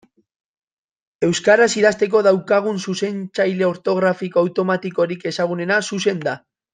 Euskaraz idazteko daukagun zuzentzaile ortografiko automatikorik ezagunena Xuxen da.